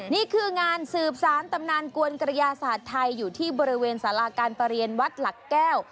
นี่คืองานสืบสารตำนานกวนกระยาศาสตร์ไทยอยู่ที่บริเวณสาราการประเรียนวัดหลักแก้ว